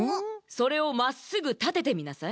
それをまっすぐたててみなさい。